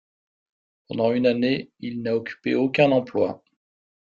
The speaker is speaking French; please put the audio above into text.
Pendant une année, il n’a occupé aucun emploi.